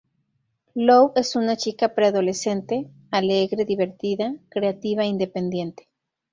Lou es una chica pre-adolescente, alegre, divertida, creativa e independiente.